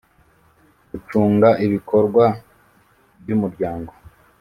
Gucunga ibikorwa by umuryango